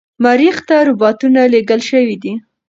مریخ ته روباتونه لیږل شوي دي.